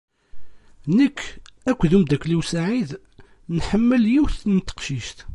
Nek akked umdakkel-iw Saɛid nḥemmel yiwet n teqcict.